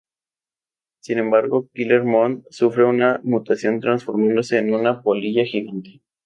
Sin embargo, Killer Moth sufre una mutación, transformándose en una polilla gigante.